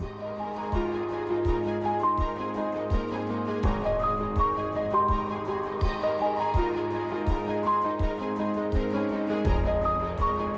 โรงงานหลวงอาหารสำเร็จจากพระองค์ท่านจริง